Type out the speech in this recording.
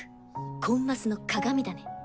コンマスの鑑だね！